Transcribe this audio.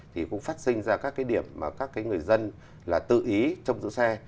thì cũng phát sinh ra các cái điểm mà các cái người dân là tự ý trong giữ xe